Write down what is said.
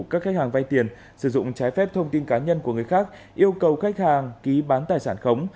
các khách hàng vay tiền sử dụng trái phép thông tin cá nhân của người khác yêu cầu khách hàng ký bán tài sản khống